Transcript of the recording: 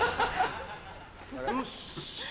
・よし・